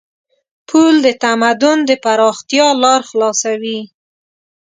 پُل د تمدن د پراختیا لار خلاصوي.